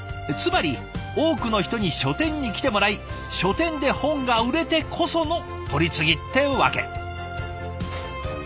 つまり多くの人に書店に来てもらい書店で本が売れてこその取り次ぎってわけ。